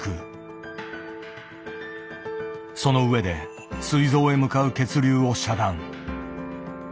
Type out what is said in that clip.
その上ですい臓へ向かう血流を遮断。